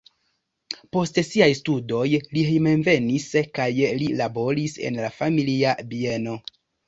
Post siaj studoj li hejmenvenis kaj li laboris en la familia bieno.